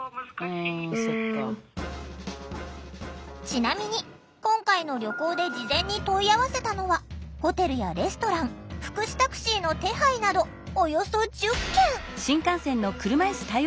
ちなみに今回の旅行で事前に問い合わせたのはホテルやレストラン福祉タクシーの手配など電話１０本してさ分かんないよ